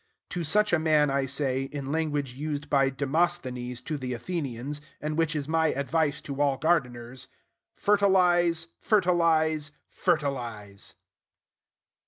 To such a man, I say, in language used by Demosthenes to the Athenians, and which is my advice to all gardeners, "Fertilize, fertilize, fertilize!"